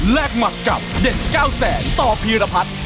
หมัดกับเด็ด๙แสนต่อพีรพัฒน์